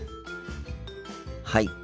はい。